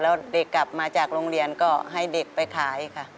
แล้วเด็กกลับมาจากโรงเรียนก็ให้เด็กไปขายค่ะ